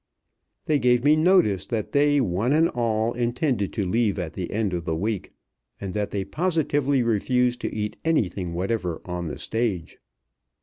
They gave me notice that they one and all intended to leave at the end of the week, and that they positively refused to eat anything whatever on the stage.